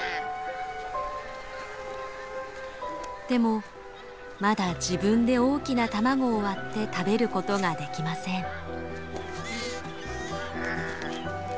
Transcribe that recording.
でもまだ自分で大きな卵を割って食べることができません。